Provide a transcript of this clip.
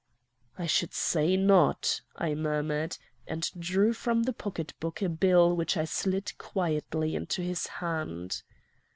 "'I should say not,' I murmured, and drew from the pocketbook a bill which I slid quietly into his hand.